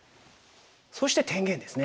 そして天元ですね。